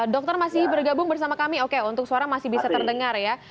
dokter masih bergabung bersama kami oke untuk suara masih bisa terdengar ya